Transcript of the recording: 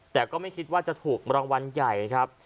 แต่ก็ไม่คิดว่าจะถูกรางวัลใหญ่ครับ